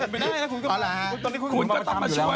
เป็นไปได้นะคุณก็คุณก็ต้องมาช่วย